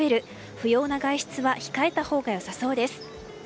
不要な外出は控えたほうがよさそうです。